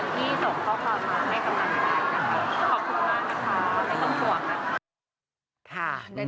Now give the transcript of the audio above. ขอบคุณมากนะคะไม่ต้องห่วง